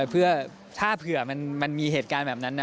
เพื่อถ้าเผื่อมันมีเหตุการณ์แบบนั้นนะ